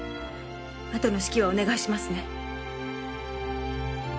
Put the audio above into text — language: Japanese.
あとの指揮はお願いしますね